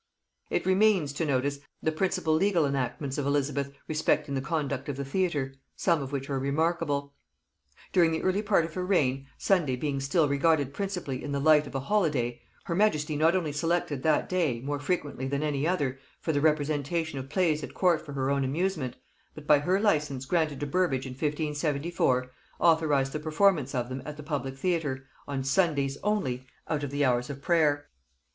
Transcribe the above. It remains to notice the principal legal enactments of Elizabeth respecting the conduct of the theatre, some of which are remarkable. During the early part of her reign, Sunday being still regarded principally in the light of a holiday, her majesty not only selected that day, more frequently than any other, for the representation of plays at court for her own amusement, but by her license granted to Burbage in 1574 authorized the performance of them at the public theatre, on Sundays only out of the hours of prayer.